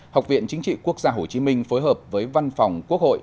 học viện chính trị quốc gia hồ chí minh phối hợp với văn phòng quốc hội